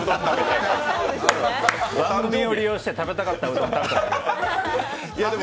番組を利用して食べたかったうどん食べただけです。